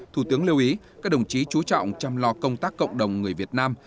thủ tướng lưu ý các đồng chí chú trọng chăm lo công tác cộng đồng người việt nam